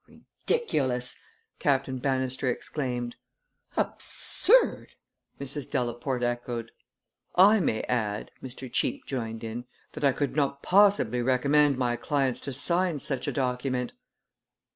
"Ridiculous!" Captain Bannister exclaimed. "Absurd!" Mrs. Delaporte echoed. "I may add," Mr. Cheape joined in, "that I could not possibly recommend my clients to sign such a document."